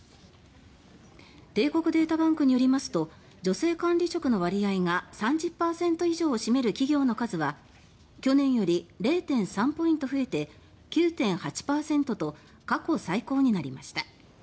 帝国データバンクによりますと女性管理職の割合が３０％以上を占める企業の数は去年より０．３ポイント増えて９．８％と過去最高になりました。